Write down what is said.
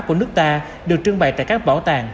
của nước ta được trưng bày tại các bảo tàng